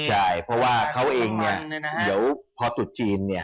ใช่เพราะว่าเขาเองเดี๋ยวพอจุดจีน